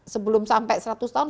sebelum sampai seratus tahun